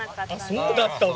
あっそうだったわ。